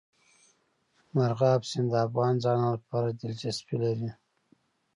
مورغاب سیند د افغان ځوانانو لپاره دلچسپي لري.